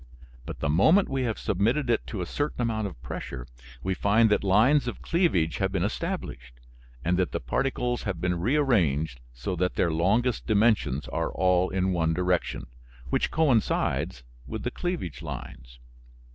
But the moment we have submitted it to a certain amount of pressure we find that lines of cleavage have been established, and that the particles have been rearranged so that their longest dimensions are all in one direction, which coincides with the cleavage lines.